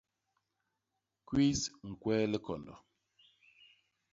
Kwis ñkwee likondo.